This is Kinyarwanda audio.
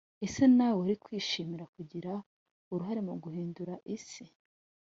ese nawe wari kwishimira kugira uruhare mu guhindura isi